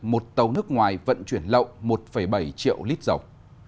một tàu nước ngoài vận chuyển lậu một bảy triệu lít dầu